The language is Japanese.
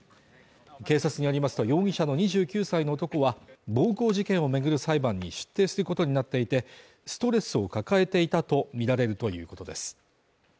警察によりますと容疑者の２９歳の男は暴行事件を巡る裁判に出廷することになっていて、ストレスを抱えていたとみられるということです。